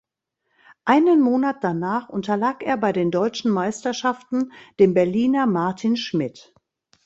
Einen Monat danach unterlag er bei den Deutschen Meisterschaften dem Berliner Martin Schmidt.